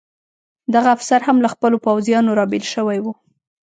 دغه افسر هم له خپلو پوځیانو را بېل شوی و.